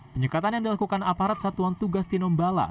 penyekatan yang dilakukan aparat satuan tugas tinombala